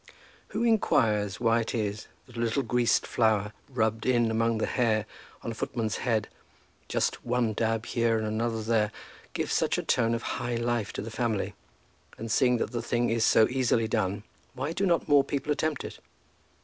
Who inquires why it is that a little greased flour rubbed in among the hair on a footman's head, just one dab here and another there, gives such a tone of high life to the family? And seeing that the thing is so easily done, why do not more people attempt it?